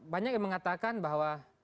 banyak yang mengatakan bahwa